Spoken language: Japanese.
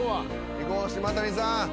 いこう島谷さん。